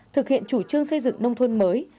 thực hiện chủ trương xây dựng nông thôn mới